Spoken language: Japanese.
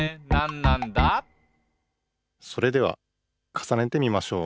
「それではかさねてみましょう」